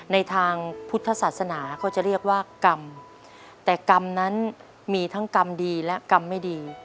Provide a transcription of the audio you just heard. ในทางพุทธศาสนาก็จะเรียกว่ากรรมแต่กรรมนั้นมีทั้งกรรมดีและกรรมไม่ดี